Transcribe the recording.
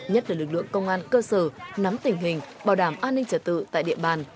nhất là lực lượng công an cơ sở nắm tình hình bảo đảm an ninh trật tự tại địa bàn